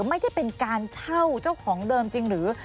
ไม่ได้เป็นการเช่าเจ้าของเดิมจริงหรือ